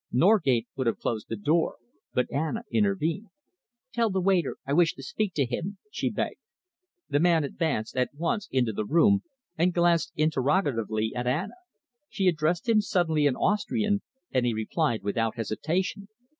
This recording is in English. Norgate would have closed the door, but Anna intervened. "Tell the waiter I wish to speak to him," she begged. The man advanced at once into the room and glanced interrogatively at Anna. She addressed him suddenly in Austrian, and he replied without hesitation.